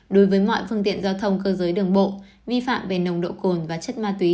đối với mọi phương tiện giao thông cơ giới đường bộ vi phạm về nồng độ cồn và chất ma túy